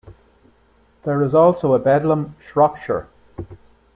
There is also a Bedlam, Shropshire.